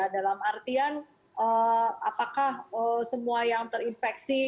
dalam artian apakah semua yang terinfeksi